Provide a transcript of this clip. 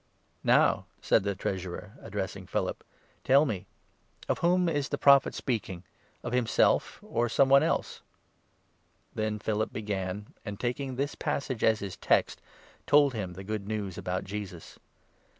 "Now," said the Treasurer, addressing Philip, "tell 34 me, of whom is the Prophet speaking ? Of himself, or of some one else ?" Then Philip began, and, taking this passage as his text, told 35 him the Good News about Jesus.